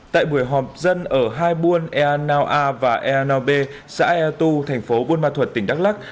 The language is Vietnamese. tại buổi họp dân ở hai buôn ea nao a và ea nao bê xã ea tu thành phố buôn ma thuật tỉnh đắk lắc